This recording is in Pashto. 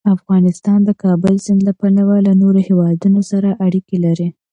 افغانستان د د کابل سیند له پلوه له نورو هېوادونو سره اړیکې لري.